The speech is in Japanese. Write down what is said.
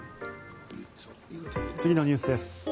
次のニュースです。